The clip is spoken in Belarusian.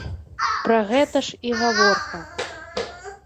Пра гэта ж і гаворка.